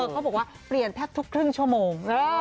เขาบอกว่าเปลี่ยนแทบทุกครึ่งชั่วโมง